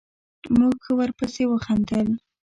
موږ ښه ورپسې وخندل.